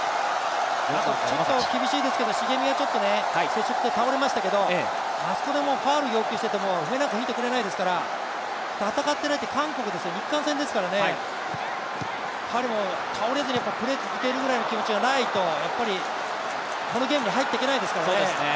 ちょっと厳しいですけど、重見が接触で倒れましたけど、あそこでファウル要求してても笛なんて吹いてくれませんから日韓戦ですからね、彼も倒れずにプレーするぐらいの気持ちがないとやっぱりこのゲームに入っていけないですからね。